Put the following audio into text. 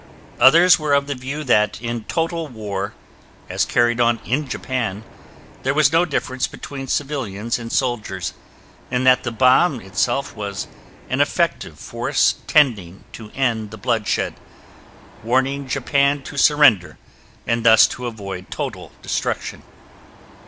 Others were of the view that in total war, as carried on in Japan, there was no difference between civilians and soldiers, and that the bomb itself was an effective force tending to end the bloodshed, warning Japan to surrender and thus to avoid total destruction.